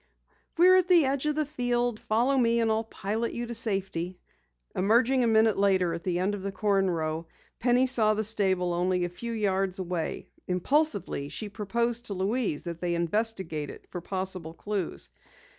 "We're at the edge of the field. Follow me and I'll pilot you to safety." Emerging a minute later at the end of the corn row, Penny saw the stable only a few yards away. Impulsively, she proposed to Louise that they investigate it for possible clues.